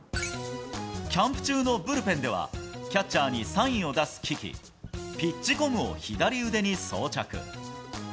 キャンプ中のブルペンではキャッチャーにサインを出す機器、ピッチコムを左腕に装着。